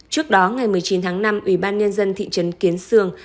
trước đó ngày một mươi chín tháng năm ubnd thị trấn kiến sương